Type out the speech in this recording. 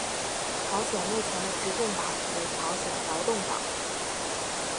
朝鲜目前的执政党为朝鲜劳动党。